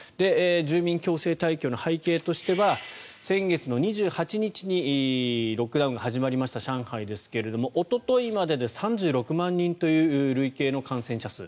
住民強制退去の背景としては先月の２８日にロックダウンが始まりました上海ですがおとといまでで３６万人という累計の感染者数。